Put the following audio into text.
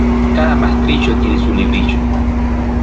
Cada maestrillo tiene su librillo.